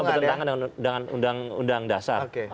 karena itu sudah bertentangan dengan undang undang dasar